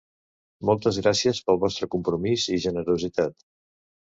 Moltes gràcies pel vostre compromís i generositat.